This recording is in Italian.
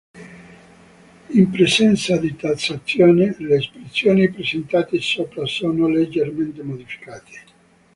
In presenza di tassazione, le espressioni presentate sopra sono leggermente modificate.